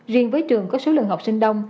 riêng với trường có số lượng học sinh đông